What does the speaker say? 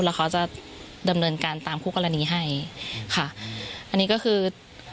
แล้วเขาจะดำเนินการตามคู่กรณีให้ค่ะอันนี้ก็คือ